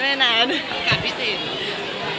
บขับในสิ่งเหรอ